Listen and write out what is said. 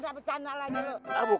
nah ingin ntar njebuk